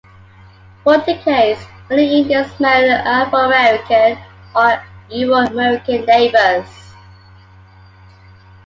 For decades, many Indians married Afro-American or Euro-American neighbors.